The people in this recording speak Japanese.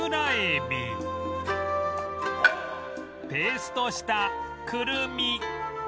ペーストしたくるみ